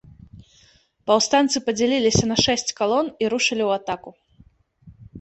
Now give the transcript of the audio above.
Паўстанцы падзяліліся на шэсць калон і рушылі ў атаку.